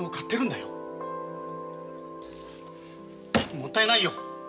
もったいないよ。